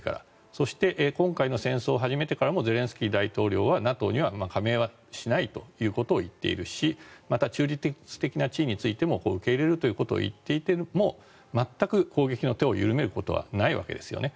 そして今回の戦争を始めてからもゼレンスキー大統領はＮＡＴＯには加盟はしないということを言っているしまた、中立的な地位についても受け入れるということを言っていても全く攻撃の手を緩めることはないわけですよね。